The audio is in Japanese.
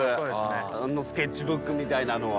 あのスケッチブックみたいなのは。